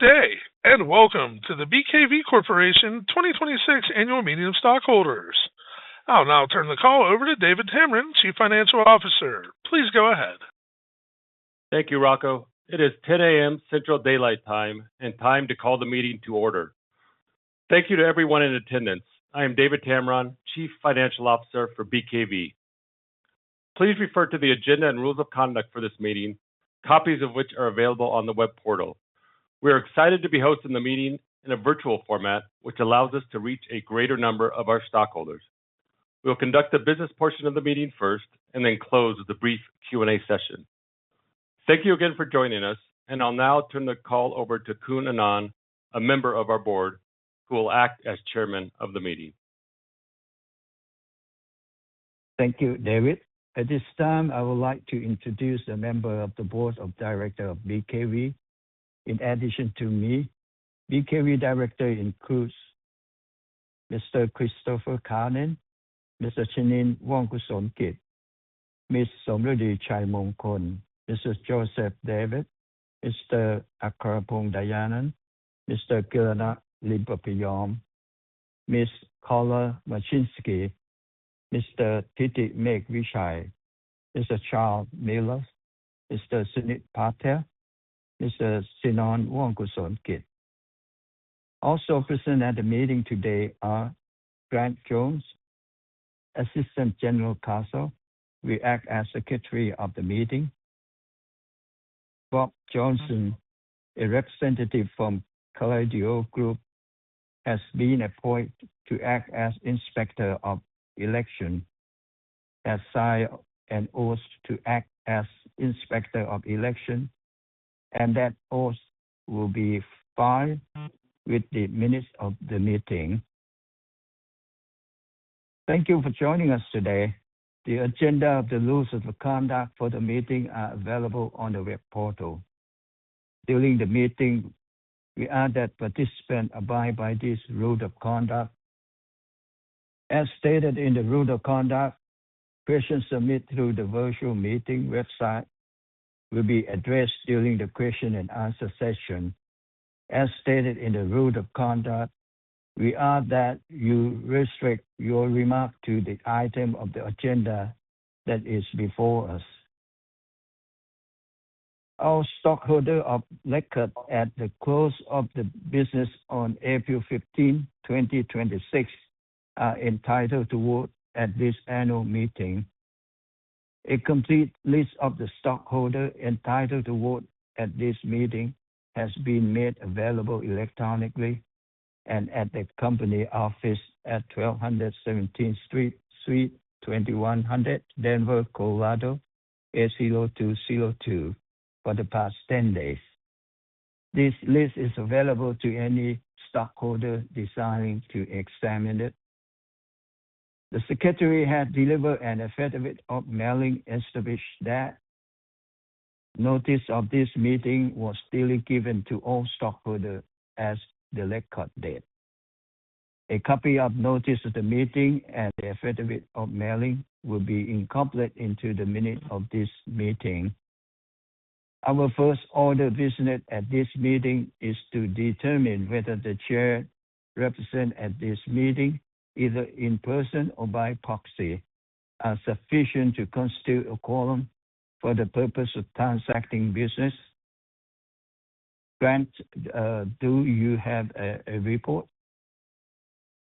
Good day, welcome to the BKV Corporation 2026 Annual Meeting of Stockholders. I'll now turn the call over to David Tameron, Chief Financial Officer. Please go ahead. Thank you, Rocco. It is 10:00 A.M. Central Daylight Time and time to call the meeting to order. Thank you to everyone in attendance. I am David Tameron, Chief Financial Officer for BKV. Please refer to the agenda and rules of conduct for this meeting, copies of which are available on the web portal. We are excited to be hosting the meeting in a virtual format, which allows us to reach a greater number of our stockholders. We'll conduct the business portion of the meeting first and then close with a brief Q&A session. Thank you again for joining us, and I'll now turn the call over to Anon Sirisaengtaksin, a member of our Board, who will act as Chairman of the meeting. Thank you, David. At this time, I would like to introduce the members of the Board of Directors of BKV. In addition to me, BKV Directors include Mr. Chris Kalnin, Mr. Chanin Vongkusolkit, Ms. Somruedee Chaimongkol, Mrs. Joseph Davis, Mr. Akaraphong Dayananda, Mr. Kirana Limpaphayom, Ms. Carla Mashinski, Mr. Thiti Mekavichai, Mr. Charles Miller, Mr. Sunit Patel, Mr. Sinon Vongkusolkit. Also present at the meeting today are Grant Jones, Assistant General Counsel, will act as Secretary of the meeting. Rob Johnson, a representative from Kaleido Group, has been appointed to act as Inspector of Election. He has signed an oath to act as Inspector of Election, and that oath will be filed with the minutes of the meeting. Thank you for joining us today. The agenda of the rules of conduct for the meeting are available on the web portal. During the meeting, we ask that participants abide by these rules of conduct. As stated in the rules of conduct, questions submitted through the virtual meeting website will be addressed during the question-and-answer session. As stated in the rules of conduct, we ask that you restrict your remarks to the item of the agenda that is before us. All stockholders of record at the close of business on April 15, 2026 are entitled to vote at this Annual Meeting. A complete list of the stockholders entitled to vote at this meeting has been made available electronically and at the Company office at 1200 17th Street Suite 2100, Denver, Colorado 80202 for the past 10 days. This list is available to any stockholder desiring to examine it. The secretary has delivered an affidavit of mailing establishing that notice of this meeting was duly given to all stockholders as of the record date. A copy of the notice of the meeting and the affidavit of mailing will be incorporated into the minutes of this meeting. Our first order of business at this meeting is to determine whether the chairs represented at this meeting, either in person or by proxy, are sufficient to constitute a quorum for the purpose of transacting business. Grant, do you have a report?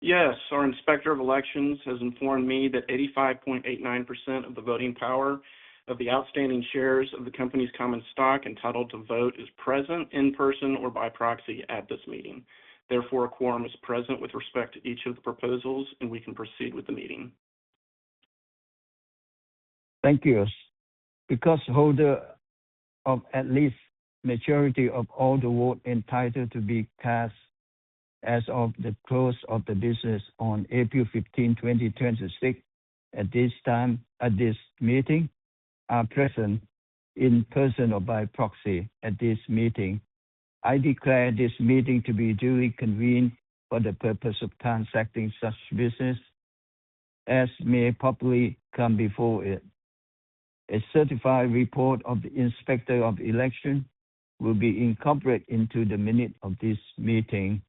Yes. Our Inspector of Elections has informed me that 85.89% of the voting power of the outstanding shares of the company's common stock entitled to vote is present in person or by proxy at this meeting. Therefore, a quorum is present with respect to each of the proposals, and we can proceed with the meeting. Thank you. Because holders of at least a majority of all the votes entitled to be cast as of the close of the business on April 15, 2026 at this time at this meeting are present in person or by proxy at this meeting, I declare this meeting to be duly convened for the purpose of transacting such business as may properly come before it. A certified report of the Inspector of Election will be incorporated into the minutes of this meeting.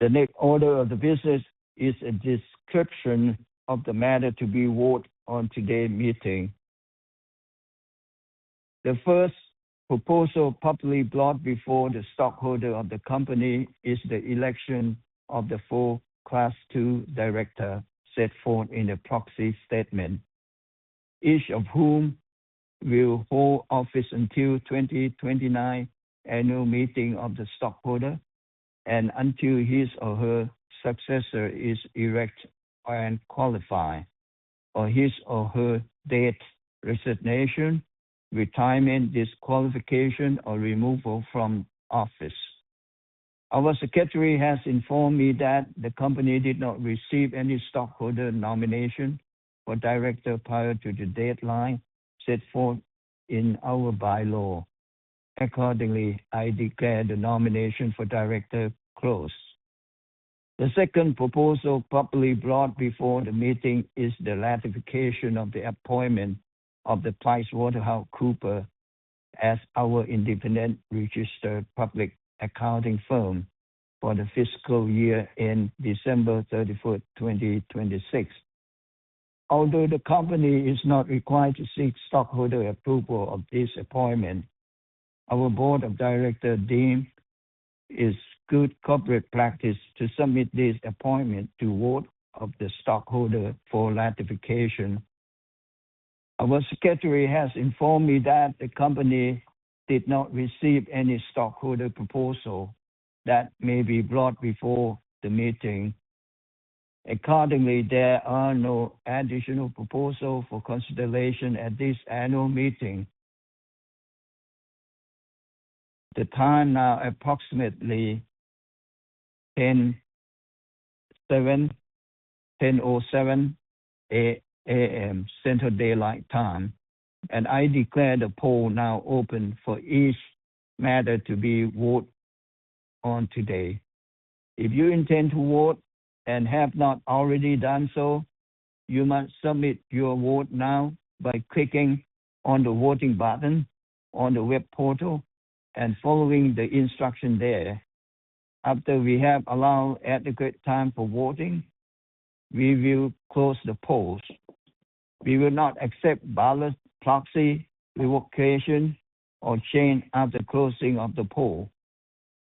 The next order of business is a description of the matters to be voted on in today's meeting. The first proposal properly brought before the stockholders of the company is the election of the 4 Class II directors set forth in the proxy statement, each of whom will hold office until the 2029 annual meeting of the stockholders and until his or her successor is elected and qualifies, or his or her death, resignation, retirement, disqualification, or removal from office. Our secretary has informed me that the company did not receive any stockholder nominations for directors prior to the deadline set forth in our bylaws. Accordingly, I declare the nomination for directors closed. The second proposal properly brought before the meeting is the ratification of the appointment of PricewaterhouseCoopers as our independent registered public accounting firm for the fiscal year end December 31st, 2026. Although the company is not required to seek stockholder approval of this appointment, our Board of Directors deemed it is good corporate practice to submit this appointment to a vote of the stockholders for ratification. Our secretary has informed me that the company did not receive any stockholder proposals that may be brought before the meeting. Accordingly, there are no additional proposals for consideration at this annual meeting. The time is now approximately 10:07 A.M. Central Daylight Time, and I declare the polls now open for each matter to be voted on today. If you intend to vote and have not already done so, you must submit your vote now by clicking on the voting button on the web portal and following the instructions there. After we have allowed adequate time for voting, we will close the polls. We will not accept ballots, proxies, revocations, or changes after closing of the polls.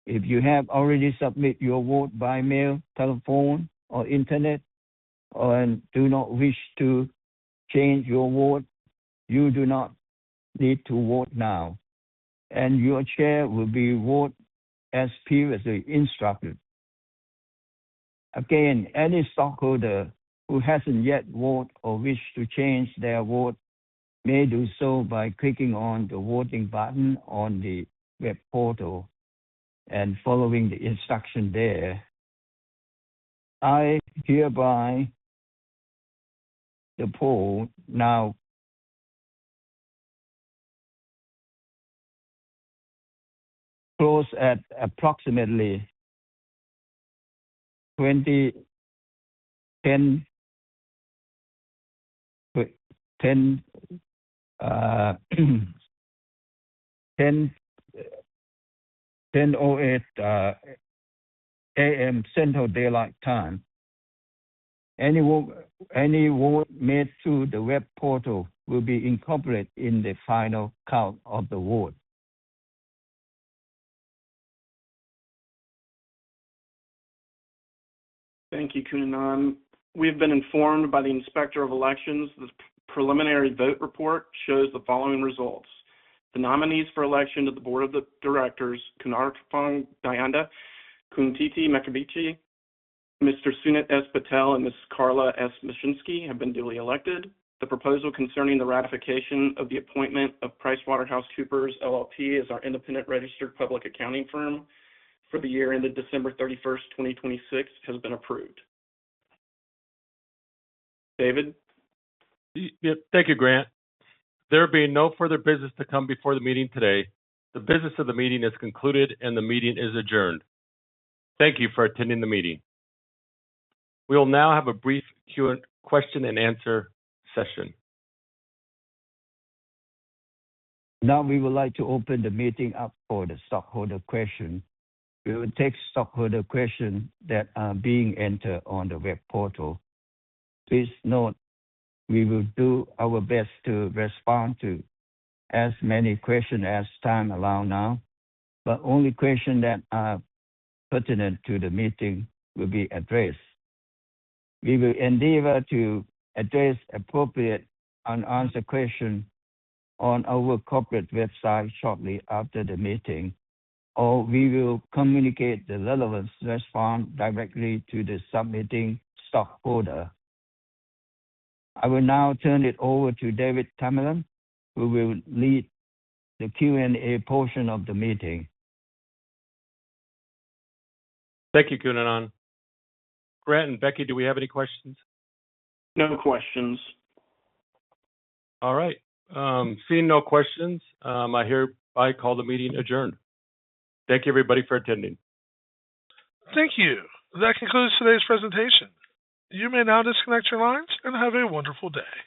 If you have already submitted your vote by mail, telephone, or internet, and do not wish to change your vote, you do not need to vote now, and your shares will be voted as previously instructed. Again, any stockholder who hasn't yet voted or wishes to change their vote may do so by clicking on the voting button on the web portal and following the instructions there. I hereby declare the polls now closed at approximately 10:08 A.M. Central Daylight Time. Any vote made through the web portal will be incorporated in the final count of the votes. Thank you, Khun Anon. We have been informed by the Inspector of Elections the preliminary vote report shows the following results. The nominees for election to the Board of Directors, Akaraphong Dayananda, Thiti Mekavichai, Mr. Sunit S. Patel, and Ms. Carla S. Mashinski, have been duly elected. The proposal concerning the ratification of the appointment of PricewaterhouseCoopers LLP as our independent registered public accounting firm for the year ended December 31, 2026 has been approved. David? Thank you, Grant. There being no further business to come before the meeting today, the business of the meeting is concluded, and the meeting is adjourned. Thank you for attending the meeting. We will now have a brief question and answer session. Now we would like to open the meeting up for the stockholder questions. We will take stockholder questions that are being entered on the web portal. Please note we will do our best to respond to as many questions as time allows now, but only questions that are pertinent to the meeting will be addressed. We will endeavor to address appropriate unanswered questions on our corporate website shortly after the meeting, or we will communicate the relevant response directly to the submitting stockholder. I will now turn it over to David Tameron, who will lead the Q&A portion of the meeting. Thank you, Khun Anon. Grant and Becky, do we have any questions? No questions. All right. Seeing no questions, I hereby call the meeting adjourned. Thank you everybody for attending. Thank you. That concludes today's presentation. You may now disconnect your lines and have a wonderful day.